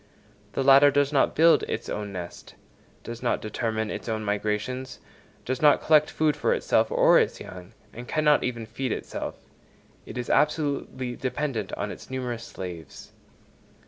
The latter does not build its own nest, does not determine its own migrations, does not collect food for itself or its young, and cannot even feed itself: it is absolutely dependent on its numerous slaves.